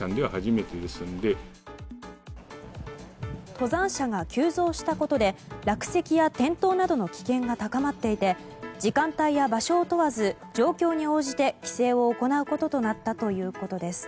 登山者が急増したことで落石や転倒などの危険が高まっていて時間帯や場所を問わず状況に応じて規制を行うこととなったということです。